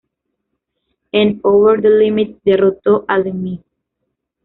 En "Over the Limit" derrotó a The Miz.